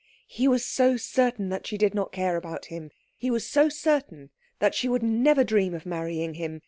He was so certain that she did not care about him. He was so certain that she would never dream of marrying him.